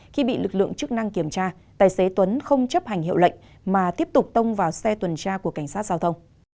khi bị lực lượng chức năng kiểm tra tài xế tuấn không chấp hành hiệu lệnh mà tiếp tục tông vào xe tuần tra của cảnh sát giao thông